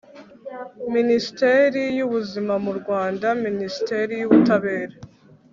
minisiteri y'ubuzima mu rwanda minisiteri y'ubutabera